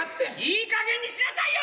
いいかげんにしなさいよ！